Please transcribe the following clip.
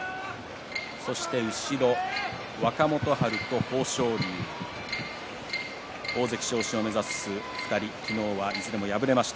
そして後ろ若元春と豊昇龍大関昇進を目指す２人昨日はいずれも敗れています。